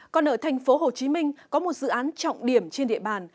còn ở thành phố hồ chí minh có một dự án trọng điểm trên địa bàn